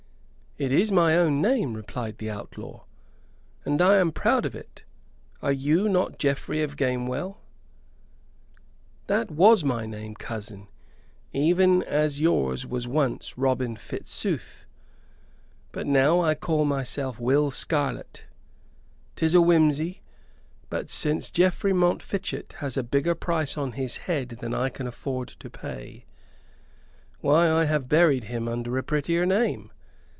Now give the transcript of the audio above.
"It is my own name," replied the outlaw, "and I am proud of it. Are you not Geoffrey of Gamewell?" "That was my name, cousin, even as yours was once Robin Fitzooth, but now I call myself Will Scarlett. 'Tis a whimsey; but since Geoffrey Montfichet has a bigger price on his head than I can afford to pay, why, I have buried him under a prettier name!